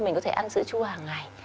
mình có thể ăn sữa chua hàng ngày